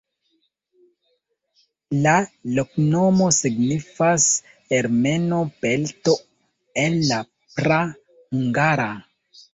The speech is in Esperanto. La loknomo signifas ermeno-pelto en la praa hungara.